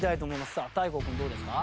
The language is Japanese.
さあ大光君どうですか？